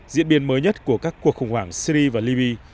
diễn biến mới nhất của các cuộc khủng hoảng syri và liby